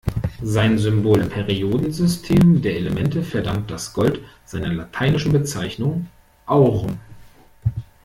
Sein Symbol im Periodensystem der Elemente verdankt das Gold seiner lateinischen Bezeichnung, aurum.